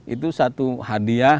itu satu hadiah